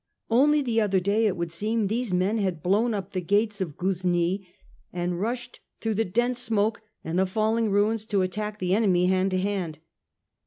Only the other day, it would seem, these men had blown up the gates of Ghuznee and rushed through the dense smoke and the falling ruins to attack the enemy hand to hand.